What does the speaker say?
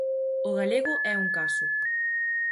O galego é un caso.